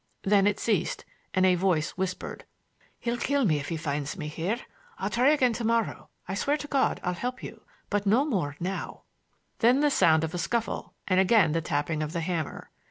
Then it ceased, and a voice whispered: "He'll kill me if he finds me here. I'll try again to morrow. I swear to God I'll help you, but no more now—" Then the sound of a scuffle and again the tapping of the hammer.